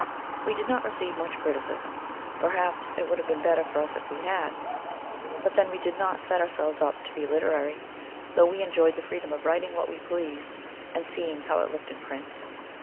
We did not receive much criticism; perhaps it would have been better for us if we had. But then we did lot set ourselves up to be literary; though we enjoyed the freedom of writing what we pleased, and seeing how it looked in print.